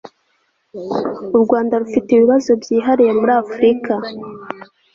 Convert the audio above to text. u rwanda rufite ibibazo byihariye muri afurika